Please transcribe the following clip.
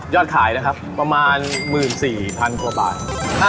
ขายนะครับประมาณ๑๔๐๐๐กว่าบาท